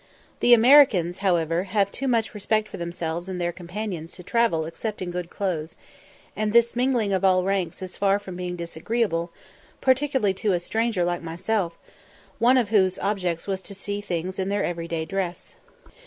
The Americans, however, have too much respect for themselves and their companions to travel except in good clothes, and this mingling of all ranks is far from being disagreeable, particularly to a stranger like myself, one of whose objects was to see things in their everyday dress.